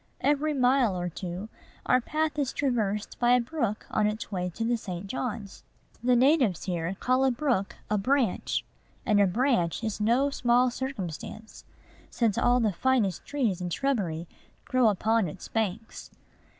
Every mile or two, our path is traversed by a brook on its way to the St. John's. The natives here call a brook a "branch;" and a branch is no small circumstance, since all the finest trees and shrubbery grow upon its banks.